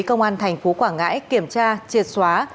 công an tp quảng ngãi kiểm tra triệt xóa